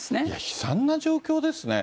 悲惨な状況ですね。